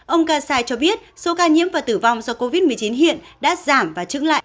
ông kassai cho biết số ca nhiễm và tử vong do covid một mươi chín hiện đã giảm và trứng lại